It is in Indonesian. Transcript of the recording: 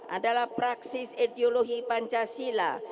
adalah praksis ideologi pancasila